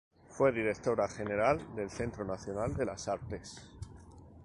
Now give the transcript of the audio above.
Fue Directora General del Centro Nacional de las Artes.